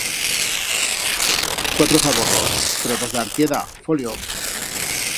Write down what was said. Cuatro zaborros, pero d'os d'Artieda, folio!